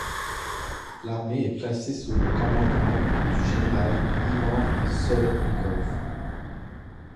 L'armée est placée sous le commandement du général Ivan Sovetnikov.